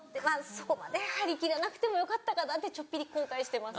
そこまで張り切らなくてもよかったかなってちょっぴり後悔してます。